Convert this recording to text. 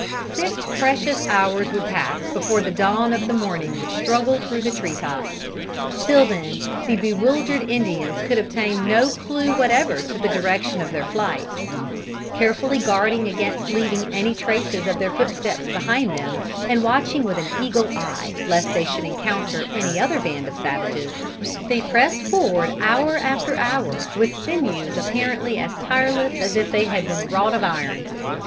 Six precious hours would pass before the dawn of the morning would struggle through the tree tops. Till then the bewildered Indians could obtain no clue whatever to the direction of their flight. Carefully guarding against leaving any traces of their footsteps behind them, and watching with an eagle eye lest they should encounter any other band of savages, they pressed forward hour after hour with sinews apparently as tireless as if they had been wrought of iron.